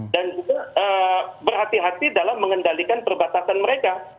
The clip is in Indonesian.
dan juga berhati hati dalam mengendalikan perbatasan mereka